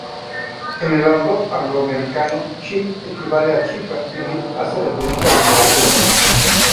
En el argot angloamericano "chick" equivale a chica y "lit" hace referencia a literatura.